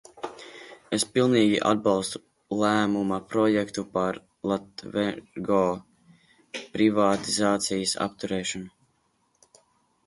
"Es pilnīgi atbalstu lēmuma projektu par "Latvenergo" privatizācijas apturēšanu."